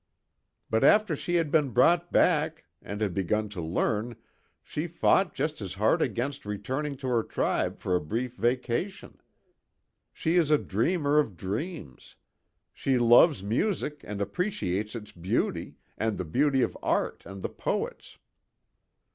"But after she had been brought back, and had begun to learn she fought just as hard against returning to the tribe for a brief vacation. She is a dreamer of dreams. She loves music and appreciates its beauty, and the beauty of art and the poets."